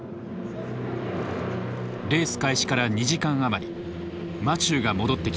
レース開始から２時間余りマチューが戻ってきた。